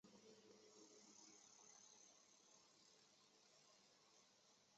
于是高睿与和士开都恨上高孝瑜。